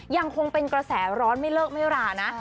ยังคงเป็นกระแสร้อนไม่เลิกไม่รานะ